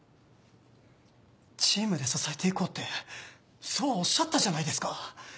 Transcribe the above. チームで支えて行こうってそうおっしゃったじゃないですか。